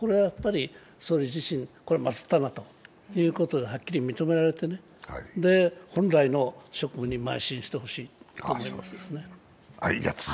総理自身、これはまずったなということで、はっきり認められて、本来の職務にまい進してほしいと思いますね。